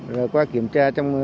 rồi qua kiểm tra trong